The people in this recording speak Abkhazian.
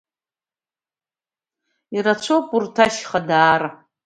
Ирацәоуп урҭ ашьха даара.